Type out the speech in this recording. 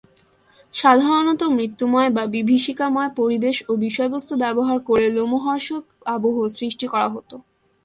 সাধারণত মৃত্যুময় বা বিভীষিকাময় পরিবেশ ও বিষয়বস্তু ব্যবহার করে লোমহর্ষক আবহ সৃষ্টি করা হত।